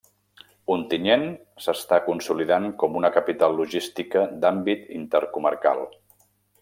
Ontinyent s'està consolidant com una capital logística d'àmbit intercomarcal.